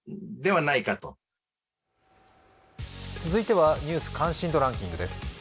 続いては「ニュース関心度ランキング」です。